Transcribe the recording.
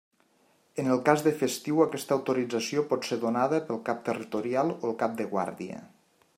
En el cas de festiu aquesta autorització pot ser donada pel cap territorial o el cap de guàrdia.